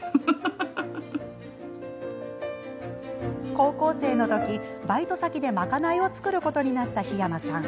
高校生の時、バイト先で賄いを作ることになった桧山さん。